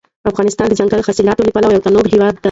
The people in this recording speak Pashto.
افغانستان د ځنګلي حاصلاتو له پلوه یو متنوع هېواد دی.